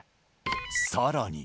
さらに。